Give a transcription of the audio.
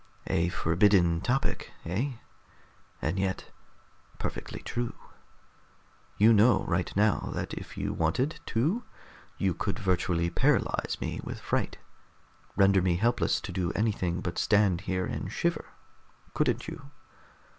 "A forbidden topic, eh? And yet perfectly true. You know right now that if you wanted to you could virtually paralyze me with fright, render me helpless to do anything but stand here and shiver, couldn't you?